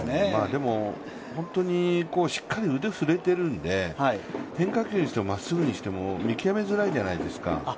でも、本当にしっかり腕振れてるので、変化球にしてもまっすぐにしても見極めづらいじゃないですか。